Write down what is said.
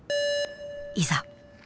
いざ。